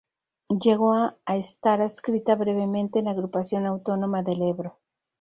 Llegó a a estar adscrita brevemente a la Agrupación autónoma del Ebro.